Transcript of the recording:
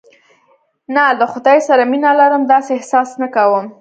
نه، له خدای سره مینه نه لرم، داسې احساس نه کوم.